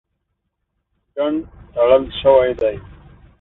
ډنډ تړل شوی دی.